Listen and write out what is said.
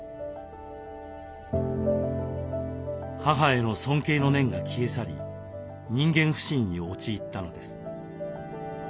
母への尊敬の念が消え去り人間不信に陥ったのです。